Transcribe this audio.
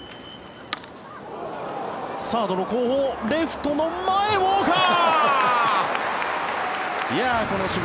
サードの後方レフトの前、ウォーカー！